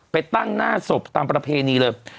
ไปตั้งหน้าศพตามประเพณีเลย